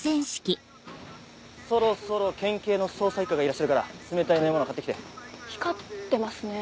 そろそろ県警の捜査一課がいらっしゃるから冷たい飲み物買って来て。光ってますね。